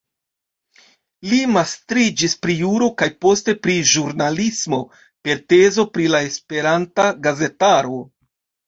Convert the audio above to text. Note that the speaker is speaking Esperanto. Li magistriĝis pri juro kaj poste pri ĵurnalismo per tezo pri la Esperanta gazetaro.